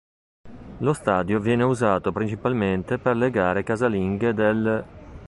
Lo stadio viene usato principalmente per le gare casalinghe dell'.